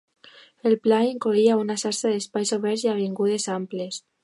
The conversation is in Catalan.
El pla incloïa una xarxa d'espais oberts i avingudes amples.